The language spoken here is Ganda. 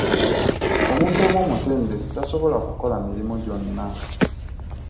Omuntu omu omutendesi tasobola kukola mirimu gyonna.